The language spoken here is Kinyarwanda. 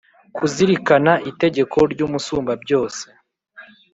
kuzirikana itegeko ry’Umusumbabyose.